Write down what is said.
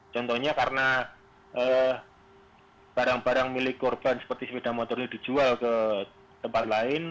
contohnya karena barang barang milik korban seperti sepeda motor ini dijual ke tempat lain